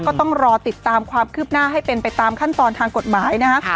ก็ต้องรอติดตามความคืบหน้าให้เป็นไปตามขั้นตอนทางกฎหมายนะฮะ